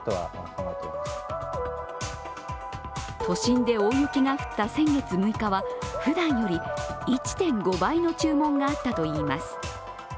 都心で大雪が降った先月６日はふだんより１．５倍の注文があったといいます。